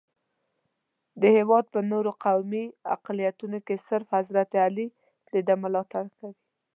د هېواد په نورو قومي اقلیتونو کې صرف حضرت علي دده ملاتړ کوي.